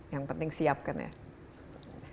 yang penting siapkan ya